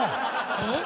えっ。